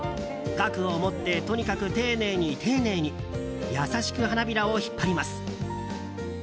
ガクを持ってとにかく丁寧に丁寧に優しく花びらを引っ張ります。